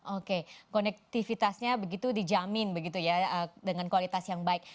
oke konektivitasnya begitu dijamin begitu ya dengan kualitas yang baik